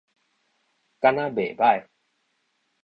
敢若袂䆀